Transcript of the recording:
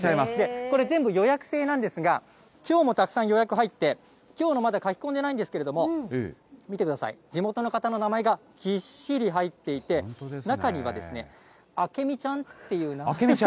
これ、全部予約制なんですが、きょうもたくさん予約入って、きょうのまだ書き込んでないんですけれども、見てください、地元の方の名前がぎっしり入っていて、中には、あけみちゃんっていう名前が。